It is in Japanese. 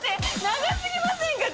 長すぎませんか？